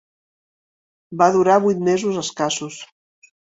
Va durar vuit mesos escassos.